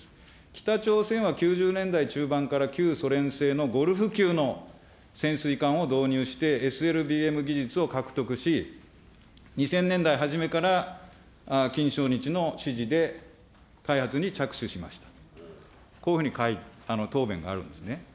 北朝鮮は９０年代中盤から旧ソ連製のゴルフ級の潜水艦を導入して、ＳＬＢＭ技術を獲得し、２０００年代初めからきんしょうにちの指示で開発に着手しました。